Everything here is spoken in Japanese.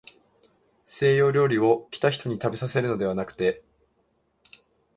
西洋料理を、来た人にたべさせるのではなくて、